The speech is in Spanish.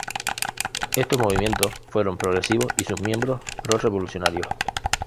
Estos movimientos fueron progresivo y sus miembros pro-revolucionarios.